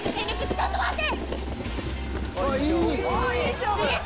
ちょっと待って！